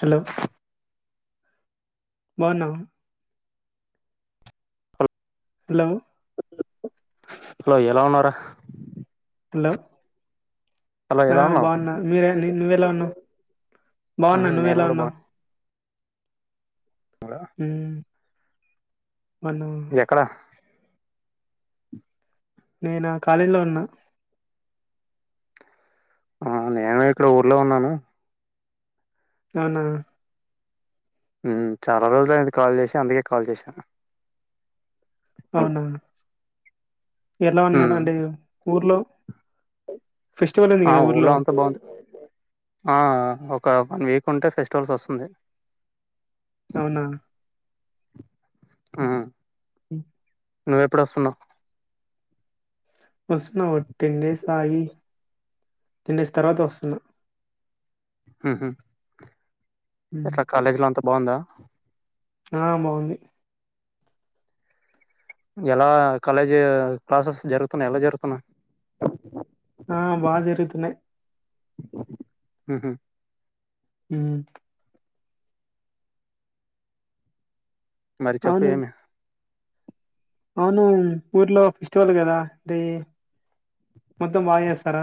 Hello బాగున్నా హా hello hello ఎలా ఉన్నావ్ రా హలో ఆ ఎలా ఉన్నావు బాగున్నా మీరే నువ్వెలా ఉన్నావు ఉమ్, బాగున్నా నేను నువ్వెలా కూడా ఉన్నావు బాగున్నా మ్ మన ఎక్కడ నేనా కాలేజీలో ఉన్నా ఆ నేను ఇక్కడ ఊర్లో ఉన్నాను అవునా మ్ చాలా రోజులాయింది కాల్ చేసి అందుకే కాల్ చేశాను అవునా ఎలా ఉమ్, ఉన్నారు అంటే ఊర్లో ఫెస్టివల్ ఉంది ఆ కదా ఊర్లో అంతా బాగుంది ఆ ఆ ఒ క వన్ వీక్ ఉంటే ఫెస్టివల్స్ వస్తుంది అవునా మ్ [unintelligible] నువ్వు ఎప్పుడు వస్తున్నవ్ ఒస్తున్నా ఒ టెన్ డేస్ ఆగి టెన్ డేస్ తర్వాత వస్తున్నా మ్ హు హ్మ్ ఎట్లా కాలేజీలో అంతా బాగుందా ఆ బాగుంది ఎలా కాలేజీ క్లాసెస్ జరుగుతున్నాయా ఎలా జరుగుతున్నాయి ఆ బా జరుతున్నాయి మ్ హు మ్మ్ మరి చెప్పు అవును ఏమి అవును ఊర్లో ఫెస్టివల్ కదా అంటే మొత్తం బా చేస్తారా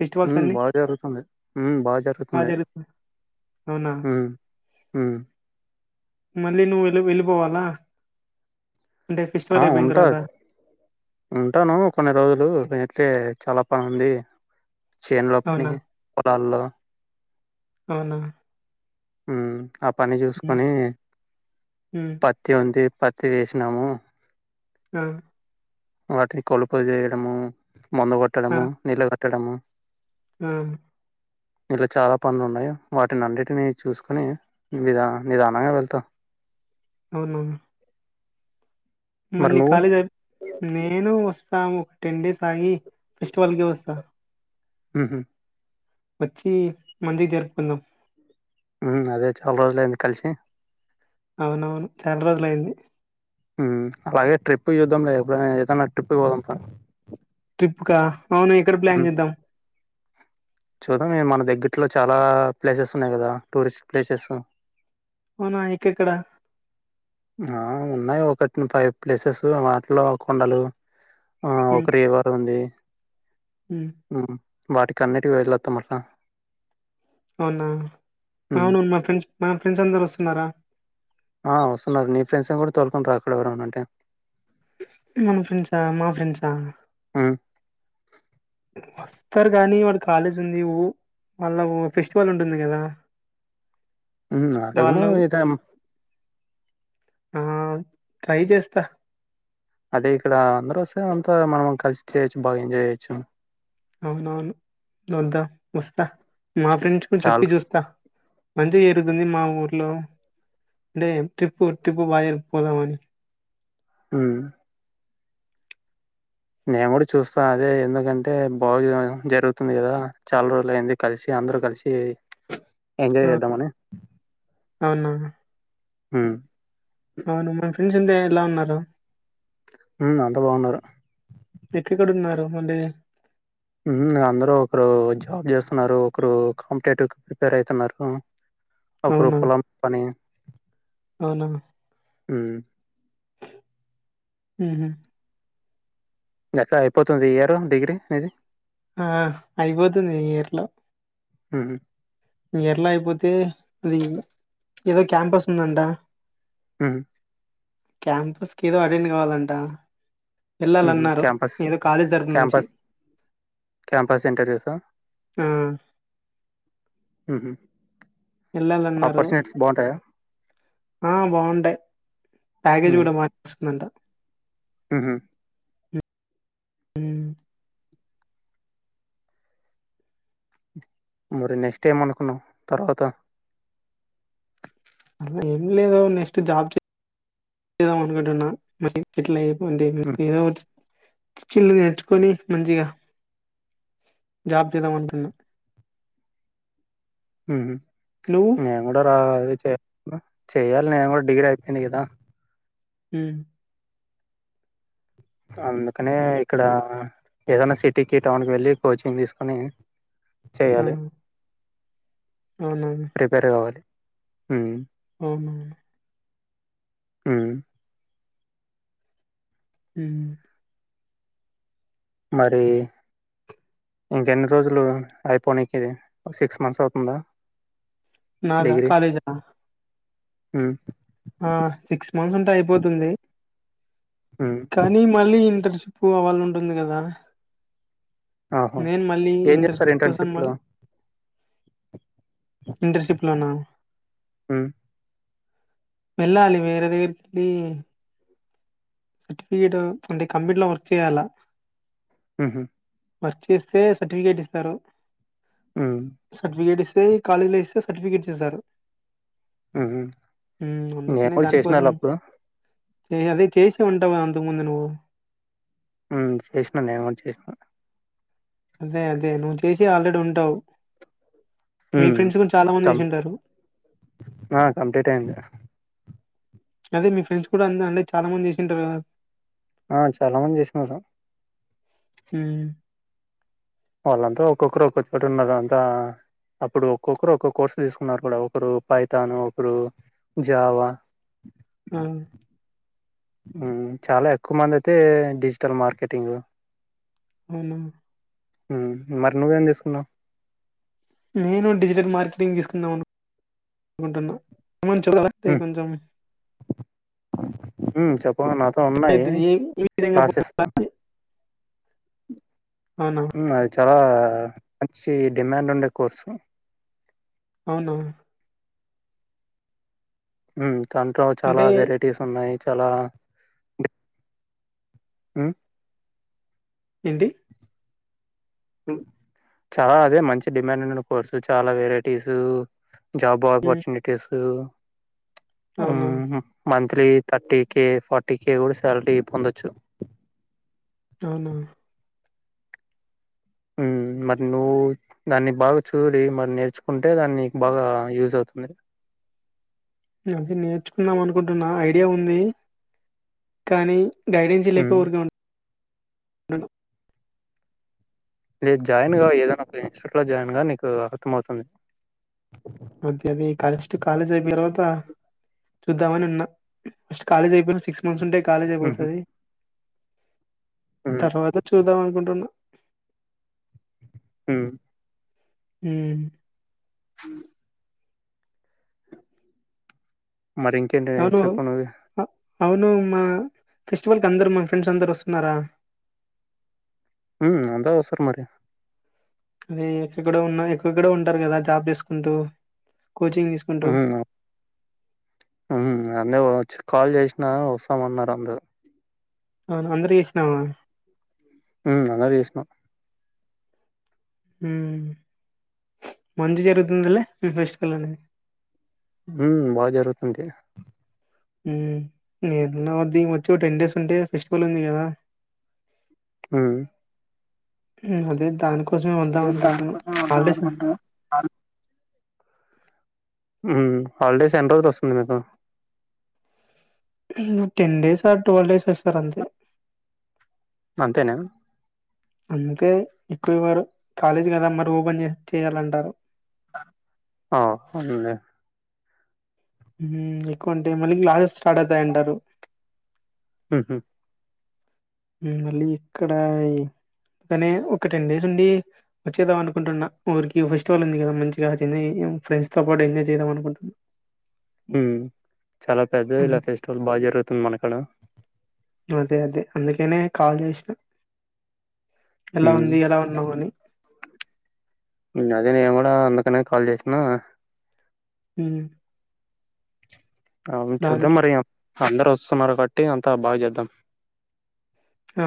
ఫెస్టివల్స్ ఉమ్ అన్ని? బాగా జరుగుతుందీ ఉమ్ బాగా జరుగుతుంది అవునా ఉమ్ ఉమ్ మళ్ళీ నువ్వు వెళ్లి వెళ్ళిపోవాలా అంటే ఆ ఫెస్టివల్ అయిపోయిన ఉంటా తర్వాత. ఉంటాను కొన్ని రోజులు తే చాలా పని ఉంది చేను లో పని అవునా? పొలాల్లో అవునా ఆ పని హ్మ్. చూసుకొని హ్మ్. పత్తి ఉంది పత్ తి వేసినాము హు వాటిని కొలుపు చేయడము మందు కొట్టడము నిలగట్టడము హు ఇలా చాలా పనులు ఉన్నాయి వాటినిన్నిటిని చూసుకుని నిదా నిదానంగా వెళ్తానూ అవునా మరి మళ్ళీ నువ్వు కాలేజీ అయి నేను వ రాము ఒక టెన్ డేస్ ఆగి ఫెస్టివల్ కీ వస్తా ఉహు వచ్చి మంచికి జర్పుకుందాం అదే చాలా రోజులయింది కలిసి అవునవును చాలా రోజులు అయింది అలాగే ట్రిప్ చూద్దాం లే ఎప్పుడ ఏదన్నా ట్రిప్కి పోదాం క అవును ఎక్కడ ప్లాన్ ఉమ్ చేద్దాం చూద్దాం మన దగ్గట్లో చాలా ప్లేసెస్ ఉన్నాయి కదా టూరిస్ట్ ప్లేసెస్ అవునా ఇెక్కడా ఆ ఉన్నాయి ఒకటిని ఫైవ్ ప్లేసెస్ వాటిలో కొండలు ఆ హ్మ్. ఒక్క రివర్ ఉంది హ్మ్. వాటికిన్నిటికి వెళ్ళొస్తామంట అవునా అవునూ మా ఫ్రెండ్స్ మా ఫ్రెండ్స్ అందరు వస్తున్నారా ఆ వస్తున్నారు నీ ఫ్రెండ్స్ ఏ కూడా తోలుకుంట రా అక్కడ ఎవరన ఉంటే మన ఫ్రెండ్సా మా ఫ్రెండ్సా ఆ వస్తారు కానీ వాడు కాలేజ్ ఉంది ఉ మళ్ళా ఫెస్టివల్ ఉంటుంది కదా ఉమ్ అటకు మతక్కుము ఉమ్ ట్రై చేస్తా అదే ఇక్కడ అందరు వస్తే అంతా మనం కలిసి చేయొచ్చు బాగా ఎంజాయ్ చేయొచ్చు అవునవును వద్దా వస్తా మా ఫ్రెండ్స్ కూడా చెప్పి చాలు. చూస్తా మంచిగా చేరుగుతుంది మా ఊర్లో అంటే ట్రిప్పు ట్రిప్పు బయ పోదామని ఉ నేను కూడా చూస్తా అదే ఎందుకంటే బాగు జరుగుతుంది కదా చాలా రోజులు అయింది కలిసి అందరు కలిసి ఎంజాయ్ ఆ, చేద్దామని అవునా ఆ అవును మన ఫ్రెండ్స్ అంత ఎలా ఉన్నారు. ఉమ్ అంత బాగున్నారు. ఎక్కెక్కడ ఉన్నారు మళ్ళీ. అందరు ఒకరు జాబ్ చేస్తున్నారు ఒకరు కాంపిటేటివ్ కి ప్రిపేర్ అవుతున్నారు. అవునా ఒకొక్కోపలం పని. అవునా. ఉమ్. ఉమ్. ఎట్లా అయిపోతుంది ఈ ఇయరు డిగ్రీ నీది. ఆహ్ అయిపోతుంది ఈ ఇయర్లో. ఉమ్. ఎట్లా అయిపోతే అది ఏదో క్యాంపస్ ఉందంట. ఉమ్. క్యాంపస్కేదో అటెండ్ కావాలంట. హుహు. వెళ్ళాలన్నారు క్యాంపస్ ఏదో కాలేజ్ తరపు నుంచి. క్యాంపస్ క్యాంపస్ ఇంటర్వ్యూసా ఆ, ఉహూ. ఆపర్చునిటీస్ బాగుంటాయి కదా. ఆహ్ బాగుంటాయి ప్యాకేజీ కూడా బాగా వస్తుంది అంట. ఉమ్. ఉమ్. మరి నెక్స్ట్ ఏం అనుకున్నావు తర్వాత. ఆహ్ ఏంలేదు నెక్స్ట్ జాబ్ చేదా చేదమనుకుంటున్నా మటిల్ ఇట్లా అయింది. హ్మ్. [unintelligible] నేర్చుకొని మంచిగా జాబ్ చేద్దామనుకున్నా. ఉమ్ నేను కూడా రా అదే చె. చెయ్యాలి నేను కూడా డిగ్రీ అయిపోయింది కదా. ఉమ్. అందుకనే ఇక్కడ ఏదైనా సిటీకి టౌన్ కి వెళ్ళి కోచింగ్ తీసుకొని. ఆ, చెయ్యాలి. అవునవును ప్రిపేర్ కావాలి ఉమ్మ్. ఉమ్. ఉమ్. ఉమ్. మరి. ఇంక ఎన్ని రోజులు ఐపోనింకే సిక్స్ మంత్స్ అవుతుందా. నాదా కాలేజా. ఉహూ. ఆహ్ సిక్స్ మంత్స్ ఉంటే అయిపోతుంది. హ్మ్. కానీ మళ్ళీ ఇంటర్న్షిప్ అవన్నీ ఉంటుంది కదా. ఆహా! నేను మళ్ళీ ఏం జేస్తారు ఇంటర్షిప్ కోసం ఇంటర్న్‌షిప్‌లో? మళ్లీ. ఇంటర్షిప్ లోనా. ఉమ్. వెళ్లాలి వేరే దగ్గరికి. సర్టిఫికేట్ అంటే కంప్యూటర్ లో వర్క్ చేయాలా. ఉహూ. వర్క్ చేస్తే సర్టిఫికేట్ ఇస్తారు హ్మ్. సర్టిఫికేట్ ఇస్ తే కాలేజీ లో ఇస్తే సర్టిఫికెట్ ఈజారు హుహు. హ్మ్ నేను అందుకనే కూడా దాన్ చేసిన అలా అప్పుడు కోసమే అదే చేసే ఉంటవ అంతకు ముందు నువ్వు ఉమ్ చేశిన నేవో చేశిన అదే అదే నువ్ చేశి ఆల్రెడీ ఉంటవ్ మీ హ్మ్ ఫ్రెండ్స్ గున్ చాలా మంద్ కం జేషుంటారు ఆ! కంప్లీట్ అయింది. అదే మీ ఫ్రెండ్స్ కూడా అందే అంటే చాలా మంది జేషూంటారు గా ఆ చాలా మంది జేష్ నారు హ్మ్. వాళ్ళంతా ఒక్కొక్కరు ఒక్ చోట్ ఉనరు అంతా అప్పుడు ఒక్కొక్కరు ఒక్కొ కోర్సు దీసుకున్నారు కూడా ఒకరు పైతాను ఒకరు జావా ఆ హ్మ్ చాలా ఎక్కు మంది అయితే డిజిటల్ మార్కెటింగు ఔనా ఉమ్ మర్ నువ్వేం దీసుకున్నావ్ నేను డిజిటెట్ మార్కెటింగ్ దీసుకుందాం అను కుంటన్నా ఉమాంజు కరక్టే హ్మ్. కొంజమ్ ఉమ్ చెప్పవ నాతో ఉన్నాయ్ ఏ విధంగా క్లాసెస్ పోవాలి? అవునా! ఉమ్ అది చాలా మంచి డిమాండ్ ఉండే కోర్సు ఔనా ఉమ్ తంతో చాలా అంటే వెరైటీస్ ఉన్నాయ్ చాలా ఉమ్ ఏంటి హ్మ్ చా అదే మంచి డిమాండ్ ఉండిన కోర్సు చాలా వెరేటీసు జాబ్ హ్మ్. ఆబార్చునుటీసు ఉహుమ్ అవునా! మన్ three thirty K forty K గుడా సాలరీ పొందొచ్చు ఔనా ఉమ్ మర్ నువ్వు దాన్ని బా చూడి మర్ నేర్చుకుంటే దాన్నిక్ బాగా యూజ్ ఔత్ ఉన్నది అదీ నేర్చుకుందాం అనుకుంటున్నా ఐడియా ఉంది కానీ గైడెంన్సీ హ్మ్ లేక ఊర్ కే ఉం టను లేద్ జాయిన్ గా ఏదన్ ఒకటి ఇన్ స్టుట్ లా జాయిన్ గా నీకు అర్థమౌవ్ తుంది అంతే మీ కలెస్టు కాలేజ్ అయ్పియ్ దరువాత చూద్దామని ఉన్న ఫస్ట్ కాలేజ్ ఐపేయ్ నా సిక్స్ మంత్స్ ఉంటే కాలేజ్ అయ్ హ్మ్ పోతది హ్మ్ తరవత చూదావనుకుంటున్నా ఉమ్ ఉమ్ ఉమ్ మరి ఇంకేంటే చెప్పు నువే ఔను మా ఫెస్టివల్ కి అందరు మా ఫ్రెండ్స్ అందరు వస్తున్నరా ఉమ్ అంత వస్తర్ మరి అదే ఎక్కడో ఉన్నా ఎక్కక్కోడో ఉంటరు గదా జాబ్ జేస్ కుంటూ కోచింగ్ దీస్ కుంటూ ఉమ్ హ్మ్ అందే ఓవచ్చు కాల్ జేష్ నా వస్తామన్నరు అందరు అవును అందరు కి చేసినావా ఉం అందరికి చేసినం మంచి జరుగుతుందిలే వెస్ట్ కళ్యాణది [unintelligible] ఉం బాగా జరుగుతుంది న వద్ [unintelligible] వచ్చి టెన్ డేస్ ఉంటే ఫెస్టివల్ ఉంది కదా ఉం అదే దానికోసమే వద్దాం నేను అనుకుంటు దానికోసం వద్దాం హాల్ డేస్ అనుకుంటున్నా ఉం హాలిడేస్ ఎన్ని రోజులు వస్తుంది మీకు ఉం ten days or twelve days ఇస్తారు అంతే అంతేనా అంతే ఎక్కువ ఇవ్వరు కాలేజ్ కదా మరి ఓపెన్ చేయాలంటారు ఆ వుంది ఉం ఎక్కువ ఉంటే మళ్ళీ క్లాసెస్ స్టార్ట్ అవుతాయంటారు ఉ హుమ్ ఉం మళ్ళీ ఇక్కడ ఇ కాని ఒక్క టెన్ డేస్ ఉండి వచ్చేద్దాం అనుకుంటున్నా ఊరికి ఫెస్టివల్ ఉంది కదా మంచిగా తిని ఉమ్ ఫ్రెండ్స్ తో పాటు ఎంజాయ్ చేద్దాం అనుకుంటున్న ఉం చాలా పెద్దదిలే అందుకే ఫెస్టివల్ బాగా జరుగుతుంది మనకాడ అదే అదే అందుకనే కాల్ చేసిన ఎలా ఉంది మ్మ్ ఎలా ఉన్నావ్ అని ఇంగ అదే నేన్ కూడా అందుకనే కాల్ చేసిన ఉం అవున్ చూద్దాం మరి అందరు వస్తున్నారు బట్టి అంతా బాగా చేద్దాం ఆ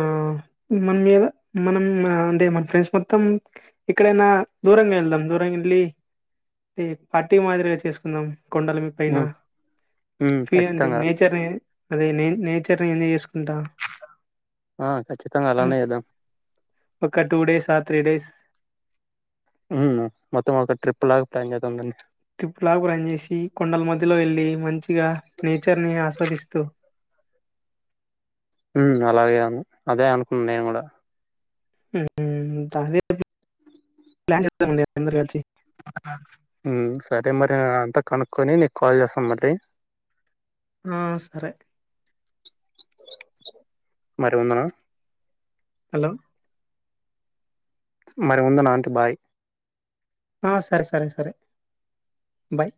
మన్ మీద మనం ఆ అంటే మన ఫ్రెండ్స్ మొత్తం ఎక్కడైనా దూరంగేళ్దాం దూరంగేళ్ళి పార్టీ మాదిరిగా చేసుకుందాం కొండల మీ పైన మ్మ్ మ్మ్ ఫి అంటే ఖచ్చితంగా నేచర్ని అదే నే నేచర్ ని ఎన్ [unintelligible] చేసుకుంటా ఆ ఖచ్చితంగా అ అలానే చేద్దాం ఒక two days or three days అవునా మొత్తం ఒక ట్రిప్పులాగా ప్లాన్ చేద్దాం రండి ట్రిప్పులాగా ప్లాన్ చేేసి కొండల్ మధ్యలో వెళ్ళి మంచిగా నేచర్ ని ఆస్వాదిస్తూ ఉం అలాగే అను అదే అనుకున్నా నేను కూడా ఉ ఉ ప్లాన్ చేసి [unintelligible] ప్లాన్ చేద్దామండి అందరు కలిసి ఉం సరే మరి అంతా కనుక్కొని నీకు కాల్ చేస్తా మరి ఆ సరే మరి ఉండనా హలో మరి ఉందనాంటి బాయ్ ఆ సరే సరే సరే బాయ్